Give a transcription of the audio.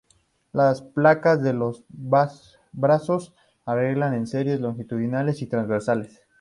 Las placas de los brazos arregladas en series longitudinales y transversales.